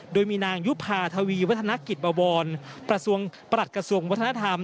โดยมีนางยุภาทวีวัฒนกิจบวรประหลัดกระทรวงวัฒนธรรม